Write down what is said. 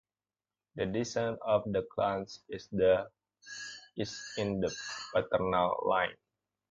The descent of the clans is in the paternal line.